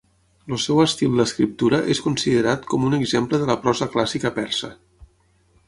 El seu estil d'escriptura és considerat com un exemple de la prosa clàssica persa.